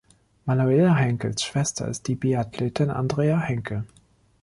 Manuela Henkels Schwester ist die Biathletin Andrea Henkel.